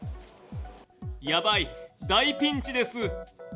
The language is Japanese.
やばい、大ピンチです。